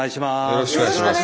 よろしくお願いします。